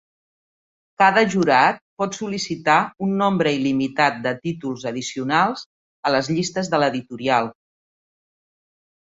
Cada jurat pot sol·licitar un nombre il·limitat de títols addicionals a les llistes de l'editorial.